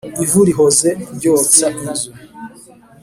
Ivu rihoze ryotsa inzu.